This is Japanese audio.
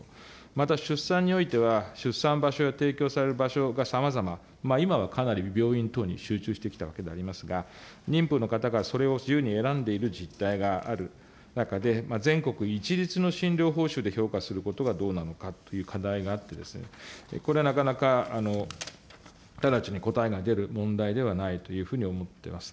また出産においては、出産場所や提供される場所がさまざま、今はかなり病院等に集中してきたわけでありますが、妊婦の方がそれを自由に選んでいる実態がある中で、全国一律の診療報酬で評価することがどうなのかという課題があって、これはなかなか直ちに答えが出る問題ではないというふうに思ってます。